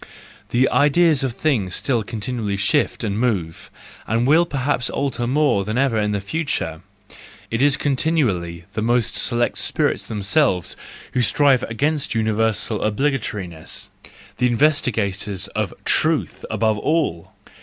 The ideas of things still continually shift and move, and will perhaps alter more than ever in the future; it is continually the most select spirits themselves who strive against universal obligatoriness—the investi¬ gators of truth above all!